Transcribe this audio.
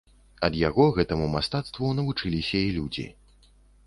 Ад яго гэтаму мастацтву навучыліся і людзі.